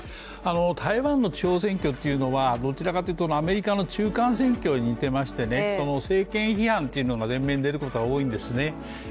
台湾の地方選挙はどちらかというとアメリカの中間選挙に似ていまして、政権批判というのが前面に出ることが多いんですね。